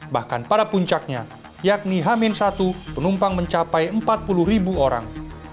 bahkan pada puncaknya yakni hamin satu penumpang mencapai empat puluh ribu orang